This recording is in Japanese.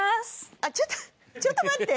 あっちょっとちょっと待って。